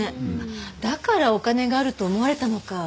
だからお金があると思われたのか。